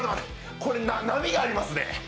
これ波がありますね。